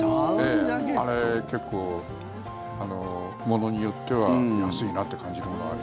あれ、結構、ものによっては安いなって感じるものもある。